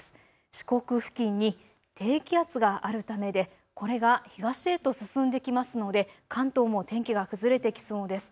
四国付近に低気圧があるためでこれが東へと進んできますので関東も天気が崩れてきそうです。